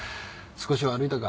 少しは歩いたか？